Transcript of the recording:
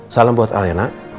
salam buat al ya nak